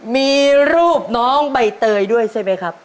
มีรูปน้องใบเตยด้วยใช่ไหมครับ